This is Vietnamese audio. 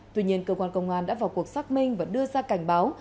tuy nhiên cơ quan công an đã vào cuộc xác minh và đưa ra cảnh báo